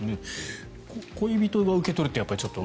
恋人が受け取るってちょっと。